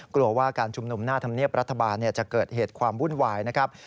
กลัวว่าการชุมนุมหน้าธรรมเนียบรัฐบาลจะเกิดเหตุความวุ่นวายนะครับ